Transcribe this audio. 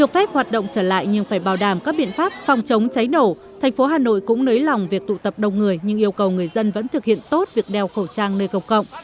phòng chống cháy nổ thành phố hà nội cũng nới lòng việc tụ tập đông người nhưng yêu cầu người dân vẫn thực hiện tốt việc đeo khẩu trang nơi cộng cộng